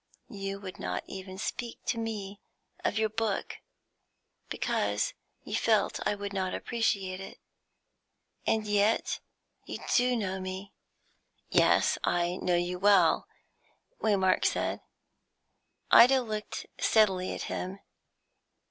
You would not even speak to me of your book, because you felt I should not appreciate it. And yet you do know me " "Yes; I know you well," Waymark said. Ida looked steadily at him.